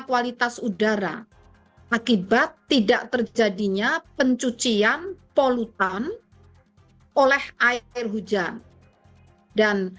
kualitas udara akibat tidak terjadinya pencucian polutan oleh air hujan dan